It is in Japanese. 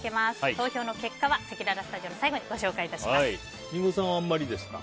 投票の結果はせきららスタジオの最後にリンゴさんは、あんまりですか。